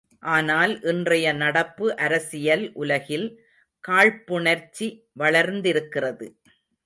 ஆனால், இன்றைய நடப்பு அரசியல் உலகில் காழ்ப்புணர்ச்சி வளர்ந்திருக்கிறது!